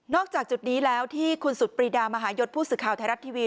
จากจุดนี้แล้วที่คุณสุดปรีดามหายศผู้สื่อข่าวไทยรัฐทีวี